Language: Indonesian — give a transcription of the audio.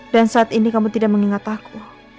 dan saat ini kamu tidak mengingat aku